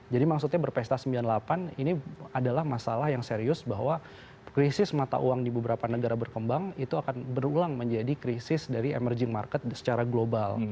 jadi maksudnya berpesta sembilan puluh delapan ini adalah masalah yang serius bahwa krisis mata uang di beberapa negara berkembang itu akan berulang menjadi krisis dari emerging market secara global